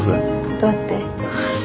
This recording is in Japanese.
どうやって？